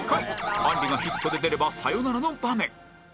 あんりがヒットで出ればサヨナラの場面